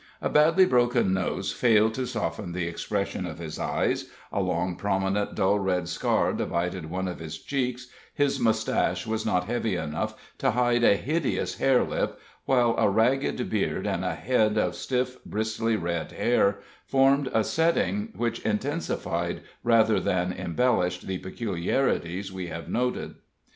A badly broken nose failed to soften the expression of his eyes, a long, prominent, dull red scar divided one of his cheeks, his mustache was not heavy enough to hide a hideous hare lip; while a ragged beard, and a head of stiff, bristly red hair, formed a setting which intensified rather than embellished the peculiarities we have noted.